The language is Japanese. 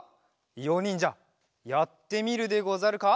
いおにんじゃやってみるでござるか？